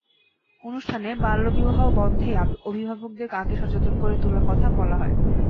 অনুষ্ঠানে বাল্যবিবাহ বন্ধে অভিভাবকদের আগে সচেতন করে তোলার কথা বলা হয়।